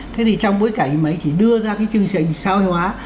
thế thì trong bối cảnh mà anh chỉ đưa ra chương trình xoay hóa